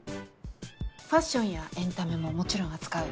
ファッションやエンタメももちろん扱う。